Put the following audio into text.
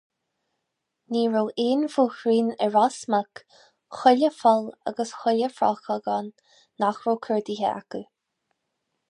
Ní raibh aon bhóithrín i Ros Muc, chuile pholl agus chuile phrochóg ann, nach raibh cuardaithe acu.